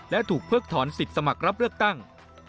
และถูกเพิกถอนสิทธิ์สมัครรับเลือกตั้ง